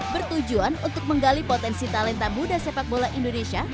bertujuan untuk menggali potensi talenta muda sepak bola indonesia